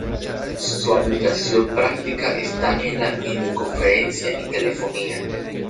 Su aplicación práctica está en la videoconferencia y telefonía.